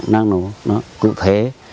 năng lượng cụ thể